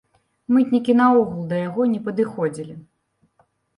Мытнікі наогул да яго не падыходзілі.